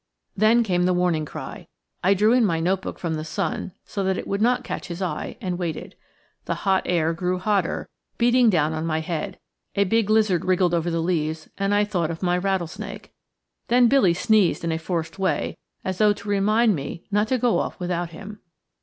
Then came the warning cry. I drew in my note book from the sun so that it should not catch his eye, and waited. The hot air grew hotter, beating down on my head. A big lizard wriggled over the leaves, and I thought of my rattlesnake. Then Billy sneezed in a forced way, as though to remind me not to go off without him.